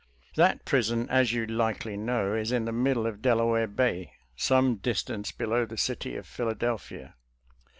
That; prison, asj you likely know, is: in the middle of Delaware Bay, some distance below the city of Philadelphia.